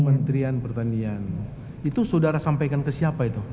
kementerian pertanian itu saudara sampaikan ke siapa itu